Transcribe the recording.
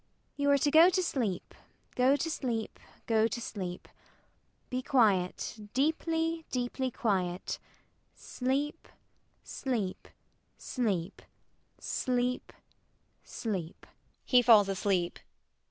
You are to go to sleep, go to sleep, go to sleep; be quiet, deeply deeply quiet; sleep, sleep, sleep, sleep, sleep. He falls asleep.